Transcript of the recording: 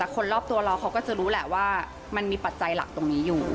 คนรอบตัวเราเขาก็จะรู้แหละว่ามันมีปัจจัยหลักตรงนี้อยู่